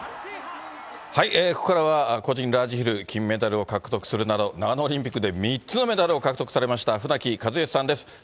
ここからは、個人ラージヒル金メダルを獲得するなど、長野オリンピックで３つのメダルを獲得されました船木和喜さんです。